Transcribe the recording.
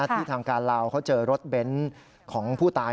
ที่ทางการลาวเขาเจอรถเบนท์ของผู้ตาย